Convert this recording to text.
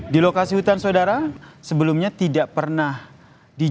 di lokasi hutan saudara sebelumnya tidak pernah dibuat